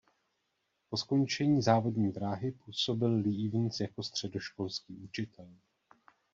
Po skončení závodní dráhy působil Lee Evans jako středoškolský učitel.